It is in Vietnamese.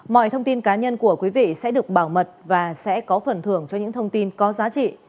mọi thông tin cá nhân của quý vị sẽ được bảo mật và sẽ có phần thưởng cho những thông tin có giá trị